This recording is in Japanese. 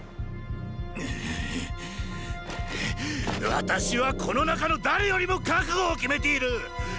私はこの中の誰よりも覚悟を決めている！